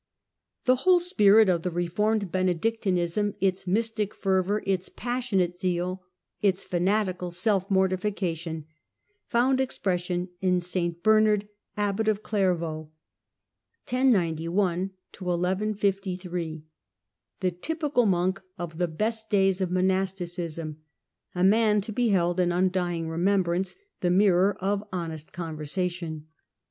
The whole spirit of the reformed Benedictinism, its st Bernard mystic fervour, its passionate zeal, its fanatical self vaux^^' mortification, found expression in St Bernard, Abbot ^^^i i^^^ of Clairvaux, the typical monk of the best days of monasticism, " a man to be held in undying remem brance, the mirror of honest conversation."